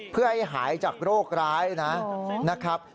เพื่อให้หายจากโรคร้ายนะครับ